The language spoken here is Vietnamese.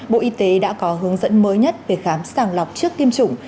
bộ y tế đã có hướng dẫn mới nhất về khám sàng lọc trước tiêm chủng